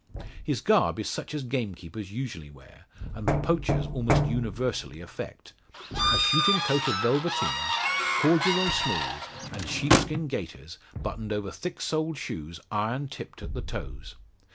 His garb is such as gamekeepers usually wear, and poachers almost universally affect, a shooting coat of velveteen, corduroy smalls, and sheepskin gaiters buttoned over thick soled shoes iron tipped at the toes.